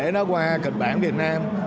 nó qua kịch bản việt nam